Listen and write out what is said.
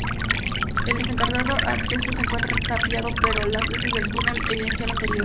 El descartado acceso se encuentra tapiado pero las luces del túnel evidencian lo anterior.